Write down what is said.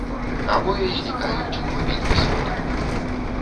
Абое знікаюць у глыбіні саду.